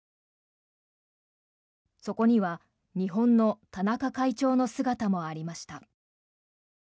そこには日本の田中会長の姿もありました。